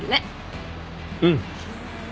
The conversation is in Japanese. うん。